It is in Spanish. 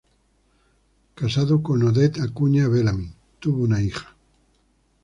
Casado con Odette Acuña Bellamy, tuvo una hija.